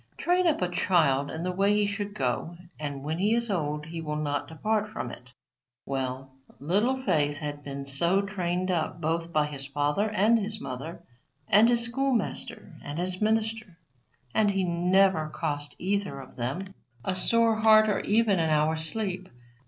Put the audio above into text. "Train up a child in the way he should go, and when he is old he will not depart from it." Well, Little Faith had been so trained up both by his father and his mother and his schoolmaster and his minister, and he never cost either of them a sore heart or even an hour's sleep.